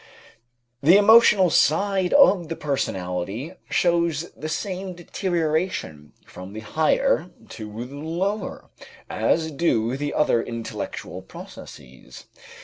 The emotional side of the personality shows the same deterioration from the higher to the lower, as do the other intellectual processes.